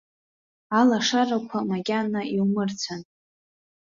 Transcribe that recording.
Алашарақәа макьана иумырцәан!